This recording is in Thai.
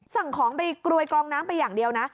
สั่งของไปกรวยกรองน้ำไปอย่างเดียวนะ